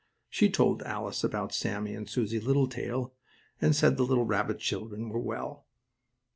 She told Alice about Sammie and Susie Littletail, and said the little rabbit children were well.